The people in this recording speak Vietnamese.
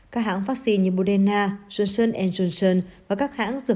các hãng vaccine như moderna johnson johnson và các hãng dược